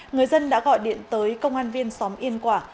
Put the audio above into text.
người dân đã gọi điện tới công an viên xóm yên quả